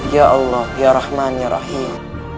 ya allah ya rahman yang rahim